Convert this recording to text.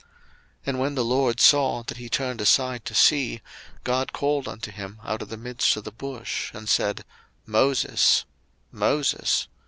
02:003:004 And when the LORD saw that he turned aside to see, God called unto him out of the midst of the bush, and said, Moses, Moses.